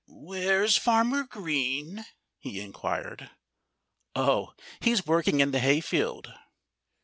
"Where's Farmer Green?" he inquired. "Oh! He's working in the hayfield."